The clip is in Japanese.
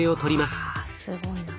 すごいな。